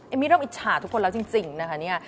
มี่เริ่มอิจฉาทุกคนแล้วจริงนะคะเนี่ย